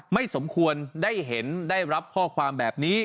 สมควรได้เห็นได้รับข้อความแบบนี้